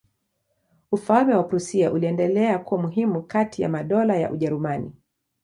Ufalme wa Prussia uliendelea kuwa muhimu kati ya madola ya Ujerumani.